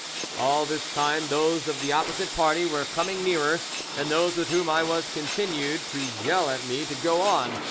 "All this time those of the opposite party were coming nearer, and those with whom I was continued to yell at me to go on.